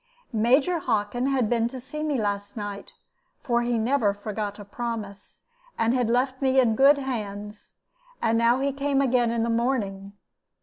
Major Hockin had been to see me last night, for he never forgot a promise, and had left me in good hands, and now he came again in the morning.